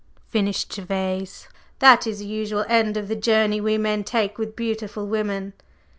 finished Gervase. "That is the usual end of the journey we men take with beautiful women."